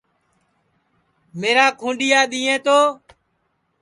میرا کھُونڈِؔیا دؔیئیں تو